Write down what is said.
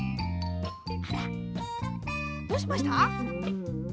あらどうしました？